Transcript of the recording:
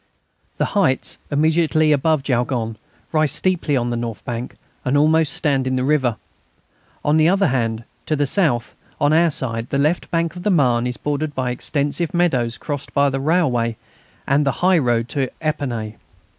The heights immediately above Jaulgonne rise steeply on the north bank, and almost stand in the river. On the other hand, to the south, on our side, the left bank of the Marne is bordered by extensive meadows crossed by the railway and the high road to Épernay.